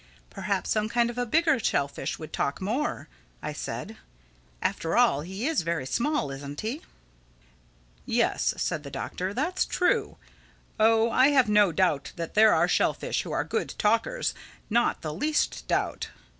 "Perhaps some kind of a bigger shellfish would talk more," I said. "After all, he is very small, isn't he?" "Yes," said the Doctor, "that's true. Oh I have no doubt that there are shellfish who are good talkers—not the least doubt.